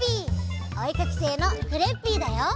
おえかきせいのクレッピーだよ！